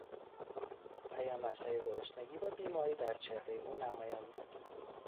پیامدهای گرسنگی و بیماری در چهرهی او نمایان بود.